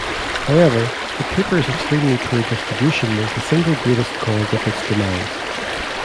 However, the paper's extremely poor distribution was the single greatest cause of its demise.